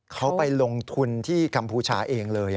เขาไปลงทุนที่กัมพูชาเองเลย